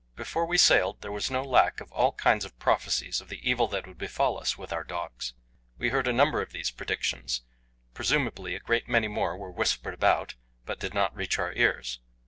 Before we sailed there was no lack of all kinds of prophecies of the evil that would befall us with our dogs. We heard a number of these predictions; presumably a great many more were whispered about, but did not reach our ears.